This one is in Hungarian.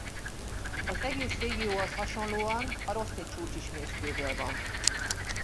Az egész régióhoz hasonlóan a Rosni-csúcs is mészkőből van.